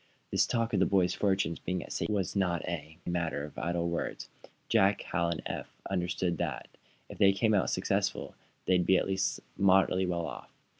This talk of the boys' fortunes being at stake was not a matter of idle words. Jack, Hal and Eph well understood that, if they came out successful, they would also be at least moderately well off.